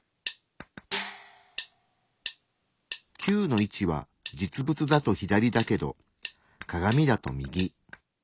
９の位置は実物だと左だけど鏡だと右。